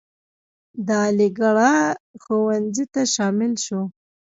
د علیګړهه ښوونځي ته شامل شو.